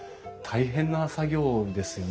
大変な作業ですよねきっと。